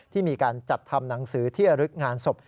ที่มีการจัดทำหนังสือเที่ยวลึกงานศพ